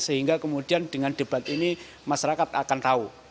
sehingga kemudian dengan debat ini masyarakat akan tahu